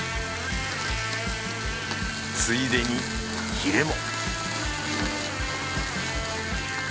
ついでにヒレも